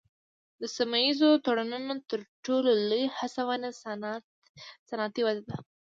د سیمه ایزو تړونونو تر ټولو لوی هڅونه صنعتي وده ده